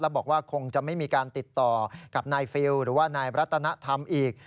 บอกว่าคงจะไม่มีการติดต่อกับนายฟิลหรือว่านายรัตนธรรมอีก